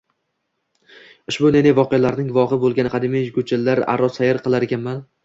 Ushbu ne-ne voqealarning guvohi bo‘lgan qadimiy ko‘chalar aro sayr qilar ekanman